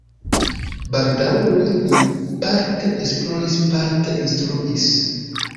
Baldaŭe li parte esploris, parte instruis.